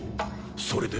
それで？